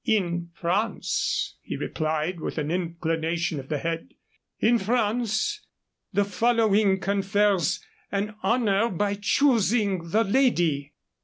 "In France," he replied, with an inclination of the head "in France the following confers an honor by choosing the lady."